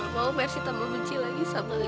gue gak mau mercy tambah benci lagi sama lia